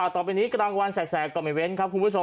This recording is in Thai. ต่อไปนี้กระดังวันแสกกรอบเมอร์เว้นต์ครับคุณผู้ชม